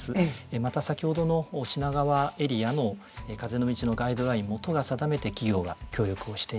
また先ほどの品川エリアの風の道のガイドラインを都が定めて企業が協力をしています。